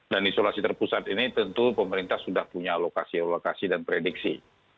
dan isolasi terpusat ini tentu pemerintah sudah punya lokasi lokasi dan prediksi